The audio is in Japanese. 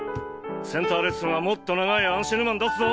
センターレッスンはもっと長いアンシェヌマン出すぞ。